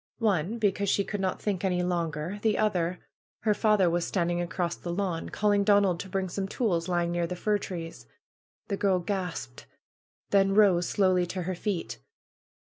One, because she could not think any longer. The other, her father was standing across the lawn, calling Donald to bring some tools lying near the fir trees. The girl gasped, then rose slowly to her feet.